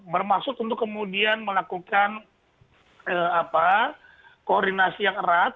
bermaksud untuk kemudian melakukan koordinasi yang erat